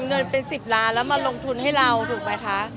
เงินเป็น๑๐ล้านแล้วมาลงทุนให้เราถูกไหมคะ